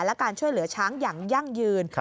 และการช่วยเหลือช้างอย่างยั่งยืน